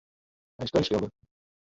Hy is keunstskilder.